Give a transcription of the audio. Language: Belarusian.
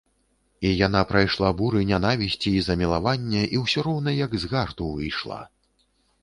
І яна прайшла буры нянавісці і замілавання і ўсё роўна як з гарту выйшла.